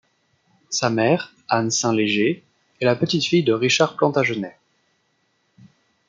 Sa mère, Anne St Leger, est la petite-fille de Richard Plantagenêt.